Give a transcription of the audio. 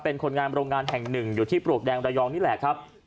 เป็นคนงานโรงงานแห่งหนึ่งอยู่ที่ปลวกแดงระยองนี่แหละครับ